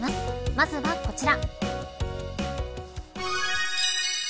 まずはこちら。